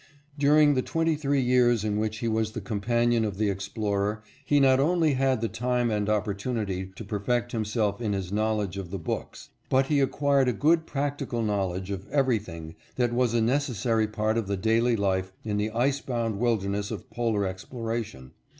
During the twenty three years in which he was the companion of the explorer he not only had time and opportunity to perfect himself in his knowledge of the books, but he acquired a good practical knowledge of everything that was a necessary part of the daily life in the ice bound wilderness of polar exploration.